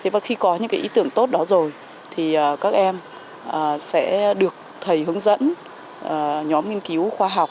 và khi có những ý tưởng tốt đó rồi thì các em sẽ được thầy hướng dẫn nhóm nghiên cứu khoa học